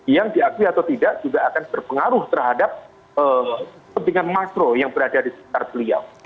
yang diakui atau tidak juga akan berpengaruh terhadap kepentingan makro yang berada di sekitar beliau